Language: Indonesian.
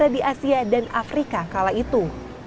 di asia dan afrika kala itu